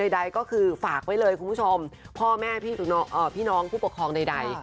ใดก็คือฝากไว้เลยคุณผู้ชมพ่อแม่พี่น้องผู้ปกครองใด